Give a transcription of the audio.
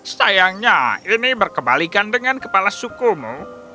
sayangnya ini berkebalikan dengan kepala suku mu